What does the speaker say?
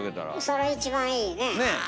それ一番いいね。ね？